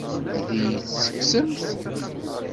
Ad iyi-t-tekksemt?